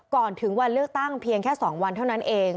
ก่อนถึงวันเลือกตั้งเพียงแค่๒วันเท่านั้นเอง